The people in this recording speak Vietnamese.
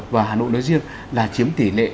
và hà nội nói riêng là chiếm tỷ lệ